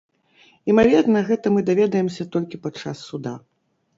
Імаверна, гэта мы даведаемся толькі падчас суда.